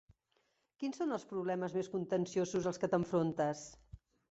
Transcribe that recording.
Quins són els problemes més contenciosos als que t'enfrontes?